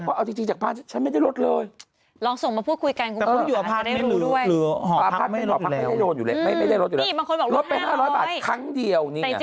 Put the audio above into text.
พี่ไม่ได้ไปเอาไง